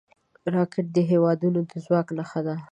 راکټ د هیوادونو د ځواک نښه ده